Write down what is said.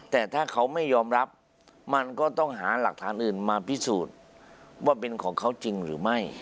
แต่ถ้าเขาไม่ยอมรับมันก็ต้องหาหลักฐานอื่นมาพิสูจน์ว่าเป็นของเขาจริงหรือไม่